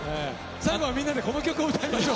最後はみんなでこの曲を歌いましょう。